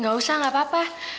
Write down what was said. gak usah gak apa apa